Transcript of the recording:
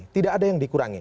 tidak ada yang dikurangi